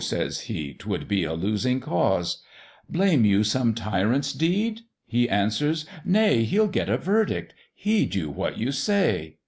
says he, "'twould be a losing cause: Blame you some tyrant's deed? he answers "Nay, He'll get a verdict; heed you what you say."